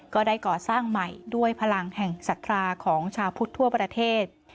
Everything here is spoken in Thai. ก็ได้ก่อสร้างใหม่ด้วยพลังแห่งศรัทธาของชาวพุทธทั่วประเทศ